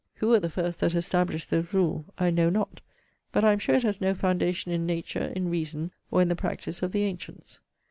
'Who were the first that established this rule, I know not; but I am sure it has no foundation in NATURE, in REASON, or in the PRACTICE OF THE ANTIENTS.